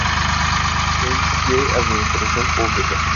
Es de administración pública.